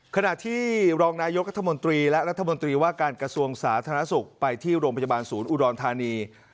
ขณะที่รองนายกรัฐมนตรีและรัฐมนตรีว่าการกระทรวงสาธารณสุขไปที่โรงพยาบาลศูนย์อุดรธานี